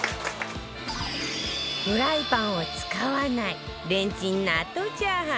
フライパンを使わないレンチン納豆チャーハン